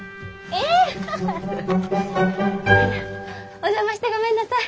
お邪魔してごめんなさい。